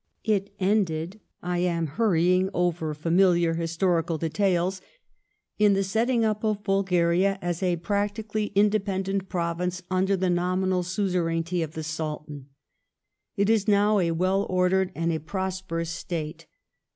It ended — I am hurry ing over familiar historical details — in the setting up of Bulgaria as a practically independent prov ince under the nominal suzerainty of the Sultan. It is now a well ordered and a prosperous State.